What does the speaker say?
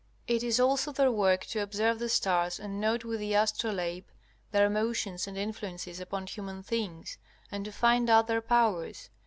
It is also their work to observe the stars and to note with the astrolabe their motions and influences upon human things, and to find out their powers.